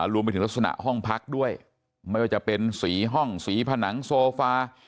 รวมไปถึงลักษณะห้องพักด้วยไม่ว่าจะเป็นสีห้องสีผนังโซฟา